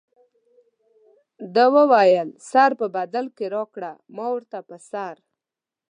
ده وویل سر په بدل کې راکړه ما ورته په سر.